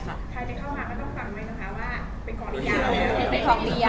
ส่วนหลวง